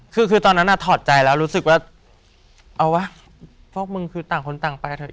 คือคือตอนนั้นถอดใจแล้วรู้สึกว่าเอาวะพวกมึงคือต่างคนต่างไปเถอ